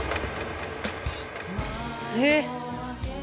えっ！